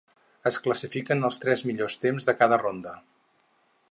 Es classifiquen els tres millors temps de cada ronda.